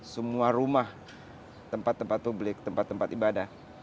semua rumah tempat tempat publik tempat tempat ibadah